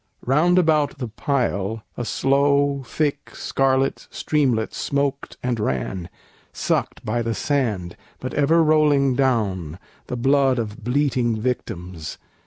Round about the pile A slow, thick, scarlet streamlet smoked and ran, Sucked by the sand, but ever rolling down, The blood of bleating victims.